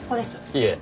いえ。